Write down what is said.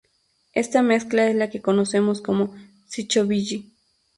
Esta mezcla es la que conocemos como psychobilly.